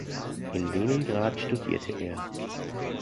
In Leningrad studierte er.